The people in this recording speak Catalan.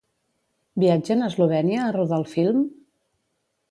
Viatgen a Eslovènia a rodar el film?